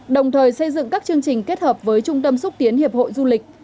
đồng thời xây dựng các chương trình kết hợp với trung tâm xúc tiến hiệp hội du lịch